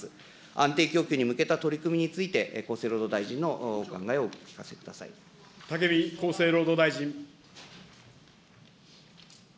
安定供給に向けた取り組みについて、厚生労働大臣のお考えをお聞武見厚生労働大臣。